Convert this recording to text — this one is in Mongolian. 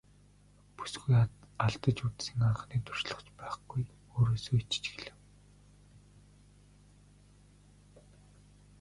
Бүсгүй алдаж үзсэн анхны туршлага ч байхгүй өөрөөсөө ичиж эхлэв.